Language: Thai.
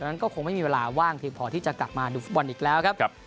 นั้นก็คงไม่มีเวลาว่างเพียงพอที่จะกลับมาดูฟุตบอลอีกแล้วครับ